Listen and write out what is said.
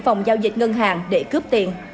phòng giao dịch ngân hàng để cướp tiền